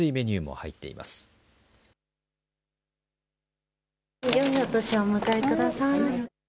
よいお年をお迎えください。